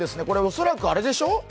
これは恐らくあれでしょう？